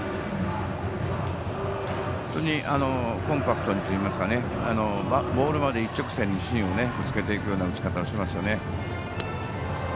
本当にコンパクトにといいますかボールまで一直線に芯をぶつけていくような打ち方をしていますよね。